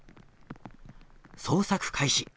捜索開始。